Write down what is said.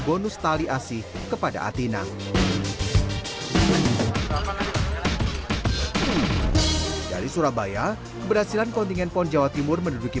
bonus tali asih kepada atina dari surabaya berhasilan kontingen pon jawa timur menduduki